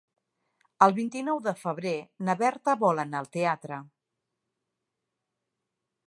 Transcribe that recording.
El vint-i-nou de febrer na Berta vol anar al teatre.